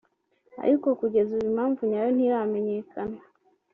ariko kugeza ubu impamvu nyayo ntiramenyekana